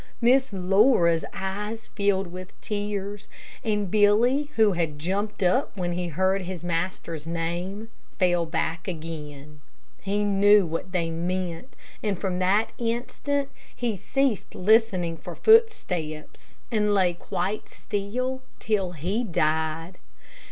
Miss Laura's eyes filled with tears, and Billy, who had jumped up when he heard his master's name, fell back again. He knew what they meant, and from that instant he ceased listening for footsteps, and lay quite still till he died.